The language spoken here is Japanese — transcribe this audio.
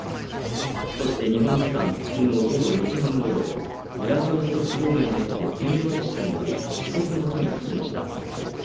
そして、日本時間昨日午後４時半ごろウラジオストク郊外の駅で専用列車に乗り、帰国の途につきました。